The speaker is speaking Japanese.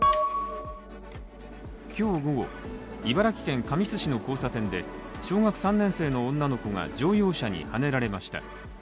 今日午後、茨城県神栖市の交差点で小学３年生の女の子が乗用車にはねられました。